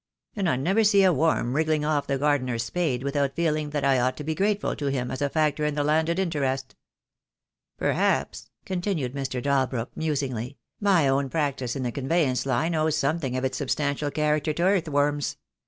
And I never see a worm wriggling off the gardener's spade without feeling that I ought to be grateful to him as a factor in the landed interest. Perhaps," continued Mr. Dalbrook, musingly, "my own practice in the conveyanc ing line owes something of its substantial character to earth worms.